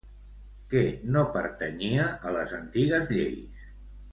Què no pertanyia a les antigues lleis?